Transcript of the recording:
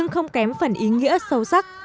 không kém phần ý nghĩa sâu sắc